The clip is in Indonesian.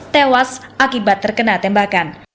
tewas akibat terkabut